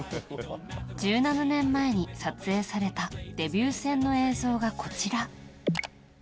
１７年前に撮影されたデビュー戦の映像がこちら。